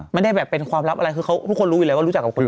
ไม่ได้แบบเป็นความลับอะไรคือเขาทุกคนรู้อยู่แล้วว่ารู้จักกับคน